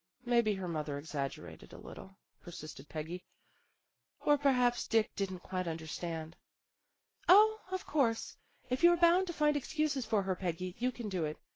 " Maybe her mother exaggerated a little," persisted Peggy. " Or perhaps Dick didn't quite understand." " O, of course, if you're bound to find excuses for her, Peggy, you can do it.